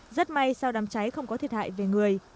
rất may sau đám cháy không có thiệt hại về người